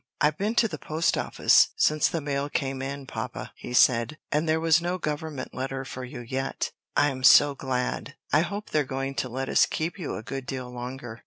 "I've been to the post office since the mail came in, papa," he said, "and there is no government letter for you yet. I'm so glad! I hope they're going to let us keep you a good deal longer."